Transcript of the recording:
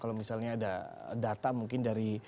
kalau misalnya ada data mungkin dari